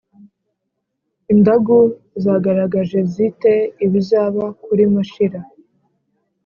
indagu zagaragaje zite ibizaba kuri mashira ?